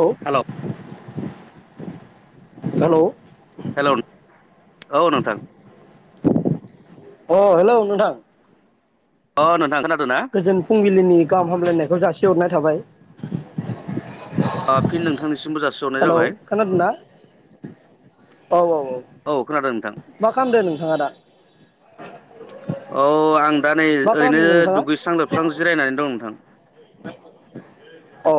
औ। Hello hello hello औ नोंथां। अ हेलौ नोंथां। अ नोंथां खोनादों ना गोजोन फुंबिलिनि गाहाम हामलायनायखौ जासि सि हरनाय थाबाय। ओ फिन नोंथांनिसि हेलौ खोनादोंना? औ औ औ औ खोनादों नोंथां मा खालामदो नोंथाङा दा? औ आं दा नै मा ओरैनो खालामदों नोंथाङा दुगैस्रां लोबस्रां जिरायनानै दं नोंथां। औ।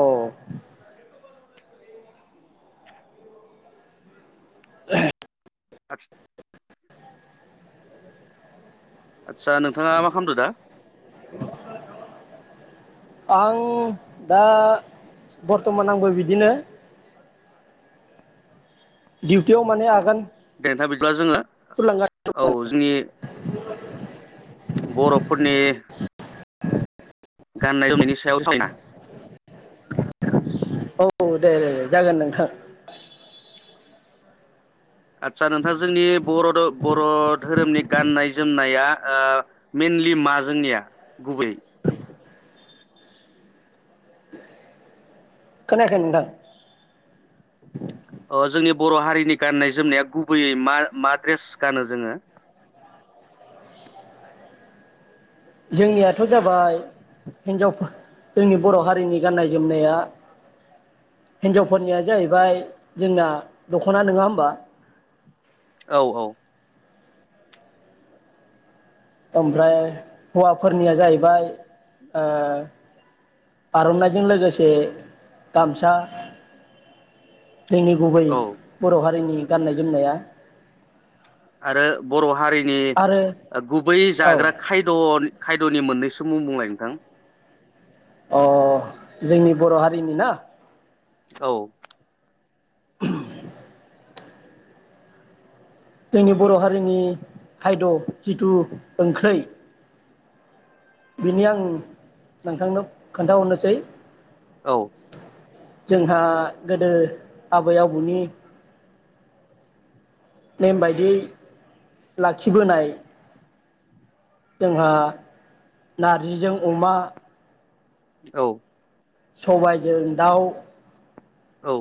[inaudible] आथ आदसा नोंथाङा मा खालामदों दा? आं दा बर्थमान आंबो बिदिनो दिडिउटियाव माने आगान दे नोंथां बिदिब्ला जोङो औ सुरलांगासिनो जोंनि [unintelligible] बर'फोरनि गाननाय जोमनायनि सायाव सायना औ दे दे जागोन नोंथां। आदसा नोंथां जोंनि बर' बर' धोरोमनि गाननाय जोमनाया ओ मेइनलि मा जोंनिया गुबैयै? खोनायाखै नोंथां। अ जोंनि बर' हारिनि गाननाय जोमनाया गुबैयै मा मा ड्रेस गानो जोङो? जोंनियाथ' जाबाय हिनजाव जोंनि बर' हारिनि गाननाय जोमनाया हिनजावफोरनिया जाहैबाय जोंना दख'ना नङा होमबा। औ औ। ओमफ्राय हौवाफोरनिया जाहैबाय ओ आर'नाइजों लोगोसे गामसा। जोंनि गुबै औ बर' हारिनि गाननाय जोमनाया। आरो बर' हारि नि आरो गुबै औ जाग्रा खायद' खायद द'नि मोननैसो मुं बुंलाय नोंथां। अ जोंनि बर' हारि नि ना? औ। [unintelligible] जोंनि बर' हारिनि खायद' जिथु ओंख्रै बेनि आं नोंथांनो खोन्थाहरनोसै। औ। जोंहा गोदो आबै आबौनि नेम बायदियै लाखिबोनाय। जोंहा नारजिजों अमा औ। सबायजों दाउ। औ।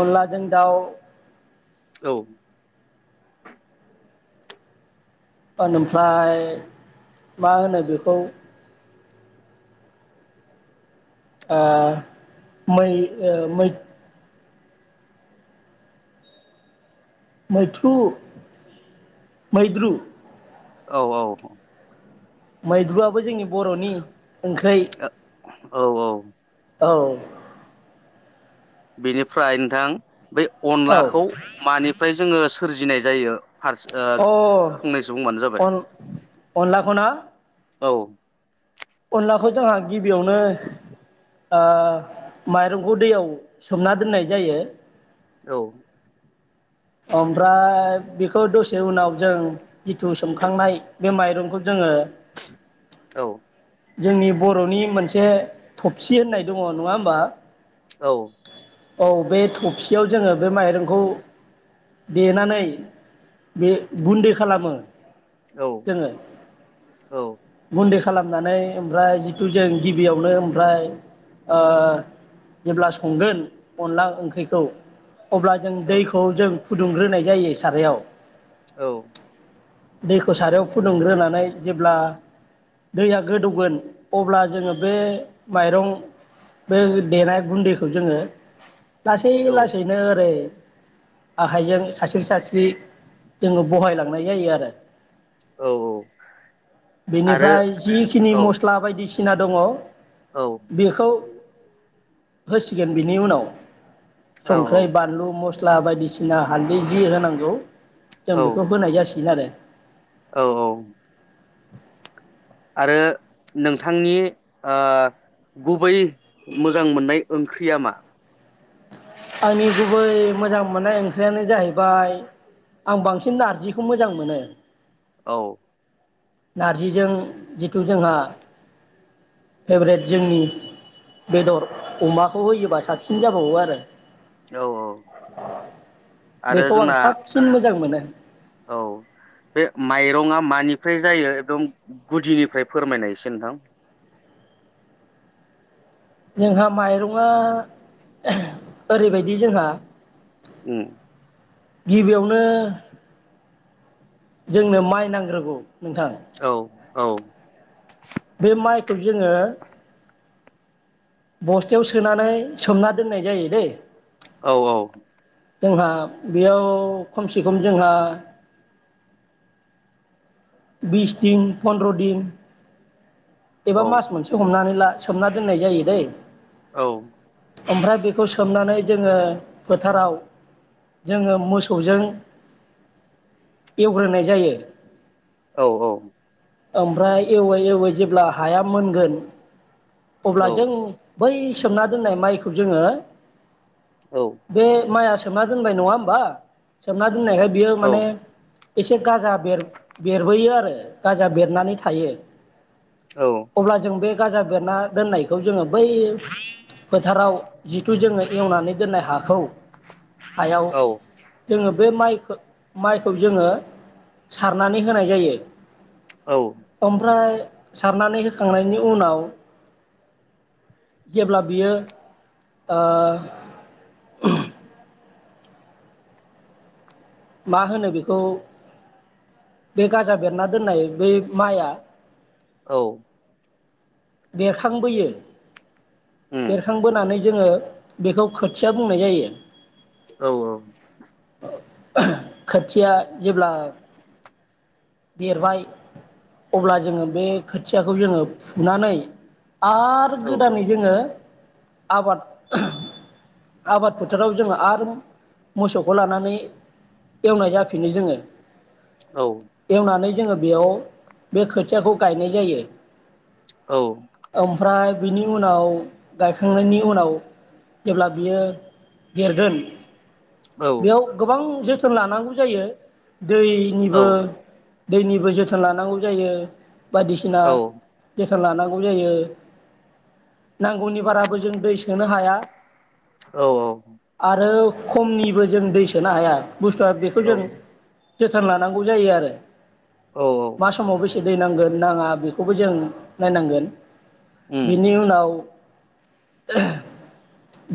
अनलाजों दाउ। औ ओमफ्राय मा होनो बेखौ ओ मै मै मैथ्रु मैद्रु औ औ। मैद्रुआबो जोंनि बर'नि ओंख्रै औ औ औ औ बेनिफ्राय नोंथां बे औ अनलाखौ मानि ओमफ्राय जोङो सोरजिनाय जायो। फारस ओ अ फंनैसो बुंबानो जाबाय। अन अनलाखौना औ अनलाखौ जोंहा गिबियावनो माइरंखौ दैयाव सोमना दोननाय जायो औ ओमफ्राय बेखौ दसे उनाव जों जिथु सोमखांनाय बे माइरंखौ जोङो औ जोंनि बर'नि मोनसे थबसि होननाय दङ नङा होमबा औ औ बे थफसियाव जोङो बे माइरंखौ देनानै बे गुन्दै खालामो औ जोङो औ गुन्दै खालामनानै ओमफ्राय जिथु जों गिबियावनो ओमफ्राय जेब्ला संगोन अनदला ओंख्रिखौ अब्ला जों दैखौ जों फुदुंग्रोनाय जायो सारायाव औ दैखौ सारायाव फुदुंग्रोनानै जेब्ला दैया गोदौगोन अब्ला जोङो बे माइरं बे देनाय गुन्दैखौ जोङो लासै औ लासैनो ओरै आखाइजों सास्रि-सास्रि जोङो बहायलांनाय जायो आरो औ आरो बेनिफ्राय जिखिनि औ मस्ला बायदिसि ना दङ औ बेखौ होसिगोन बिनि उनाव औ संख्रै बानलु मस्ला ला बायदिसिना [unintelligible] हालदै जि होनांगौ जों औ बेखौ होनाय जासिगोन आरो औ औ [inaudible] आरो नोंथांनि गुबै मोजां मोननाय ओंख्रिया मा आंनि गुबै मोजां मोननाय ओंख्रियानो जाहैबाय आं बांसिन नारजिखौ मोजां मोनो औ नारजिजों जिथु जोंहा फेभरेट जोंनि बेदर अमाखौ होयोबा साबसिन जाबावो आरो औ औ [inaudible] आरो बेखौ आं जोंना साबसिन मोजां मोनो [inaudible] औ बे माइरंआ मानिफ्राय जायो एकदम गुदिनिफ्राय फोरमायनाय एसे नोंथां जोंहा माइरंआ ओरैबायदि जोंहा उम गिबियावनो जोंनो माइ नांग्रोगौ नोंथां औ औ बे माइखौ जोङो बस्थायाव सोनानै सोमना दोननाय जायो दै औ औ जोंहा बेयाव खमसे खम जोंहा बिस दिन फनद्र दिन एबा औ मास मोनसे हमनानै ला सोमना दोननाय जायो दै औ ओमफ्राय बेखौ सोमनानै जोङो फोथाराव जोङो मोसौजों एवग्रोनाय जायो औ औ ओमफ्राय एवै एवै जेब्ला हाया मोनगोन अब्ला औ जों बै सोमना दोननाय माइखौ जोङो औ बे माइआ सोमना दोनबाय नङा होमबा सोमना बुंनायखाय बियो माने एसे गाजा बेर बेरबोयो आरो गाजा बेरनानै थायो अब्ला जों बे गाजा बेरना दोननायखौ जोङो बै फोथाराव जिथु जोङो एवनानै दोननाय हाखौ हायाव औ जोङो बे माइखो माइखौ जोङो सार नानै होनाय जायो। औ ओमफ्राय सारनानै होखांनायनि उनाव जेब्ला बियो ओ मा होनो बेखौ बे गाजा बेरना दोननाय बेै माइआ औ बेरखांबोयो। उम बेरखांबोनानै जोङो बेखौ खोथिया बुंनाय जायो। औ औ। खोथिया जेब्ला देरबाय अब्ला जोङो बे खोथियाखौ जोङो फुनानै [inaudible] आरो औ गोदानै जोङो आबाद आबाद फोथाराव जोङो आरो मोसौखौ लानानै एवनाय जाफिनो जोङो। एवनानै जोङो बेयाव बे खोथियाखौ गायनाय जायो। [inaudible] औ बिनि उनाव गायखांनायनि उनाव जेब्ला बियो देरगोन औ बेयाव गोबां जोथ थोन लानांगौ जायो। दैनिबो दैनिबो जोथोन लानांगौ जायो। बायदिसिना टेस थोन लानां गौ जायो नांगौनि बाराबो जों दै सोनो हाया। औ औ आरो खमनिबो जों दै सोनो हाया। बुस्थुआ बेखौ औ जों जोथोन लानांगौ जायो आरो औ औ मा समाव बेस दै नांगोन नाङा बेखौबो जों नायनांगोन। बेनि उम उनाव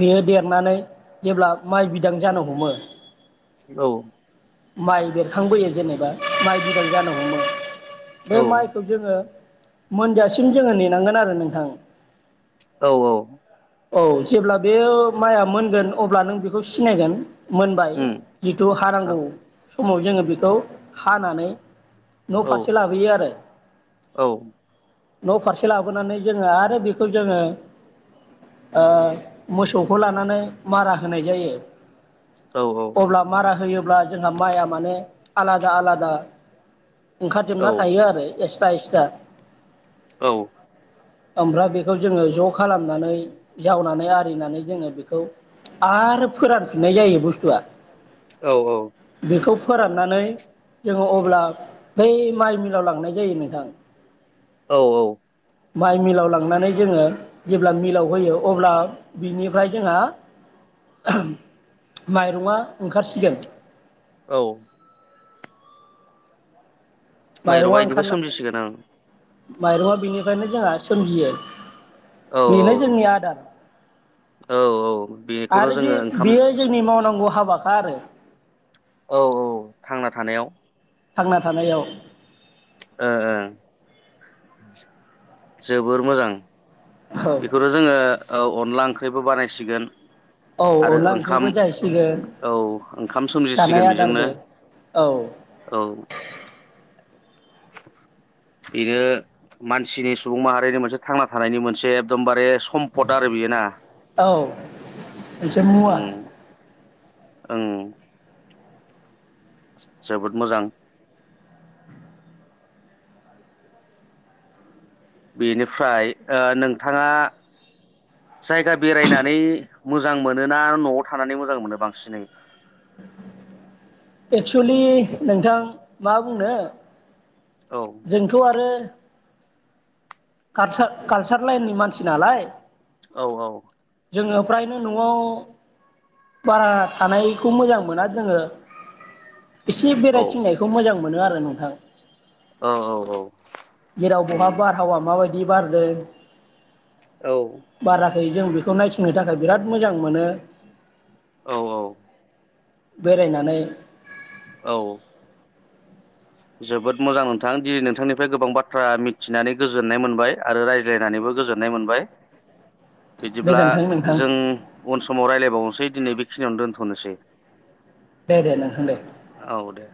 बेयो देरनानै जेब्ला माइ बिदां जानो हमो। औ माइ बेरखांबोयो जेनेबा माइ बिलाइ जानो हमो। बे औ माइखौ जोङो मोनजासिम जोङो नेनांगोन आरो नोंथां। औ औ। औ जेब्ला बे माइया मोनगोन अब्ला नों बेखौ सिनायगोन। मोनबाय उम जिथु औ हानांगौ समाव जोङो बेखौ हानानै न' औ फारसे लाबोयो आरो। औ न' फारसे लाबोनानै जोङो आरो बेखौ जोङो ओ मोसौखौ लानानै मारा होनाय जायो। औ अब्ला मारा होयोब्ला जोंहा माइआ माने आलादा आलादा ओंखारजोबना थायो औ आरो एसे फाइ स्टार औ ओमफ्राय बेखौ जोङो ज' खालामनानै जावनानै आरिनानै जोङो बेखौ आरो फोरानफिननाय जायो बुस्थुआ। औ बेखौ फोरान्नानै जोङो अब्ला बै माइ मिलाव लांनाय जायो नोंथां। औ औ। माइ मिलाव लांनानै जोङो जेब्ला मिलाव होयो अब्ला बिनिफ्राय जोंहा माइरंआ ओंखारसिगोन। औ माइरंआ इदिबा सोमजिसिगोन ओं माइरंआ बिनिफ्रायनो जोंहा सोमजियो ओं औ बेनो जोंनि आदार औ औ बेखौनो आरो जे जोङो ओंखाम बेयो जोंनि मावनांगौ हाब बाखा आरो औ औ थांना थानायाव थांना थानायाव ओ ओ जोबोर मोजां। औ बेखौथ' जोङो औ अनला ओंख्रिबो बानायसिगोन औ आरो अनला ओंखाम ओंख्रिबो जाहैसिगोन औ ओंखाम जानाय सोमजिसिगोन बेजोंनो आदारबो औ इयो मानसिनि सुबुं माहारिनि मोनसे थांना थानायनि मोनसे एकदमबारे सम्पद आरो बियो ना औ मोनसे मुवा ओं ओं जोबोद मोजां बेनिफ्राय ओ नोंथाङा जायगा बेरायनानै मोजां मोनो ना न'आव थानानै मोजां मोनो बांसिनै? एक्सुलि नोंथां मा बुंनो औ जोंथ' आरो कारसार कालसार लाइननि मानसि नालाय औ औ। जोङो फ्रायनो न'आव बारा थानायखौ मोजां मोना जोङो इसे औ बेरायथिंनायखौ मोजां मोनो आ नोंथां औ औ औ जेराव बहा ओं। बारहावा माबायदि बारदों औ। [unintelligible] जों बेखौ नायथिंनो थाखाय बिराद मोजां मोनो औ औ। बेरायनानै औ। जोबोद मोजां नोंथां दिनै नोंथांनिफ्राय गोबां बाथ्रा मिथिनानै गोजोननाय मोनबाय आरो रायज्लायनानैबो गोजोननाय मोनबाय। बिदिब्ला गोजोनथों नोंथां जों उन समाव रायलायबावनोसै। दिनै बेखिनियावनो दोनथ'नोसै। दे दे नोंथां दे। औ दे